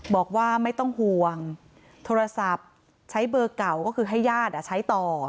บอกว่าไม่ต้องห่วงโทรศัพท์ใช้เบอร์เก่าก็คือให้ญาติใช้ต่อ